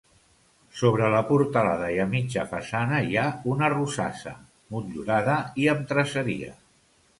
Sobre la portalada i a mitja façana hi ha una rosassa, motllurada i amb traceria.